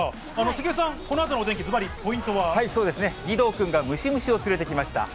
杉江さん、このあとのお天気、そうですね、義堂君がムシムシを連れてきました。